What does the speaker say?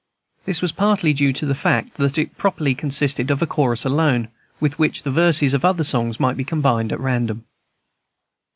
This was partly due to the fact that it properly consisted of a chorus alone, with which the verses of other songs might be combined at random.